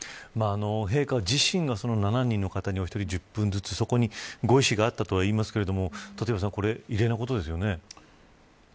陛下自身が７人の方に、お一人１０分ずつそこにご意志があったと思いますが異例なことですよね。